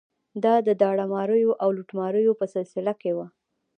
دا د داړه ماریو او لوټماریو په سلسله کې وه.